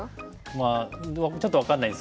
まあちょっと分かんないですけど。